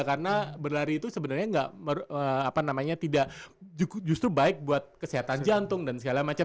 karena berlari itu sebenarnya tidak apa namanya tidak justru baik buat kesehatan jantung dan segala macam